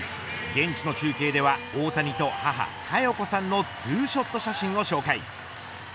現地の中継では大谷と母、加代子さんのツーショット写真を紹介。